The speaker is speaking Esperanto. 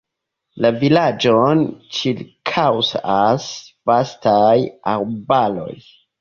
La vilaĝon ĉirkaŭas vastaj arbaroj.